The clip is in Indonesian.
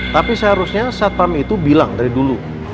tapi seharusnya saat pam itu bilang dari dulu